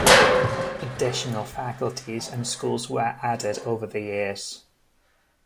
Additional faculties and schools were added over the years.